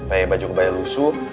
nenek nenek bayi baju kebaya lusut